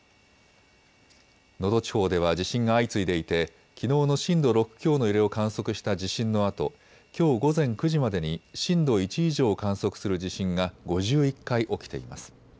能登地方では地震が相次いでいてきのうの震度６強の揺れを観測した地震のあときょう午前９時までに震度１以上を観測する地震が５１回起きています。